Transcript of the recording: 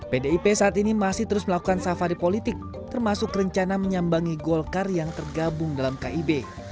pdip saat ini masih terus melakukan safari politik termasuk rencana menyambangi golkar yang tergabung dalam kib